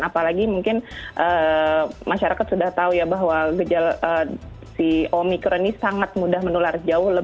apalagi mungkin masyarakat sudah tahu ya bahwa gejala si omikron ini sangat mudah menular jauh